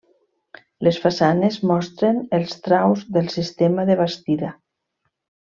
Les façanes mostren els traus del sistema de bastida.